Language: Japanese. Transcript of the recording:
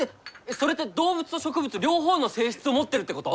それって動物と植物両方の性質を持ってるってこと？